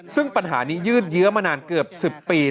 ซึ่งปัญหานี้ยืดเยื้อมานานเกือบ๑๐ปี